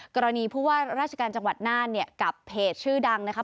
กรณีผู้ว่าราชการจังหวัดน่านเนี่ยกับเพจชื่อดังนะคะ